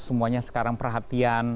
semuanya sekarang perhatian